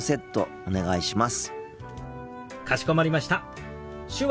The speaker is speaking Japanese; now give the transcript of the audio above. お願いします。